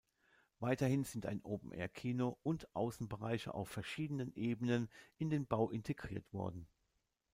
Weiterhin sind ein Open-Air-Kino und Außenbereiche auf verschiedenen Ebenen in den Bau integriert worden.